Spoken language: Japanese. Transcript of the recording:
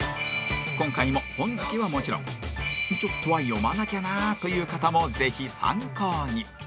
今回も本好きはもちろんちょっとは読まなきゃなという方もぜひ参考に